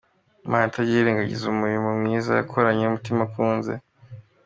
Ni Imana itajya yirengagiza umurimo mwiza wakoranye umutima ukunze.